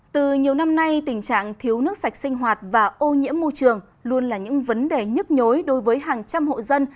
từ nhiều năm nay tình trạng thiếu nước sạch sinh hoạt và ô nhiễm môi trường luôn là những vấn đề nhức nhối đối với hàng trăm hộ dân